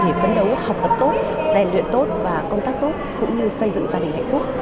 để phấn đấu học tập tốt gian luyện tốt và công tác tốt cũng như xây dựng gia đình hạnh phúc